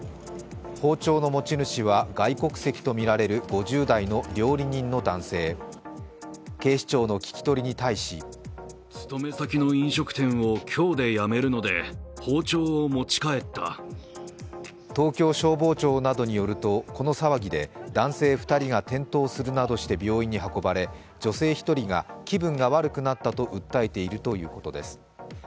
包丁の持ち主は外国籍とみられる５０代の料理人の男性警視庁の聞き取りに対し東京消防庁などによるとこの騒ぎで男性２人が転倒するなどして病院に運ばれ女性１人が気分が悪くなったと訴えているということです。